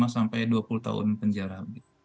lima sampai dua puluh tahun penjara